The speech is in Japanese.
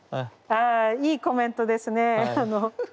あいいコメントですね。